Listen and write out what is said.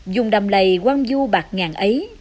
dùng đầm lầy quang du bạc ngàn ấy